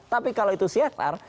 tapi kalau itu csr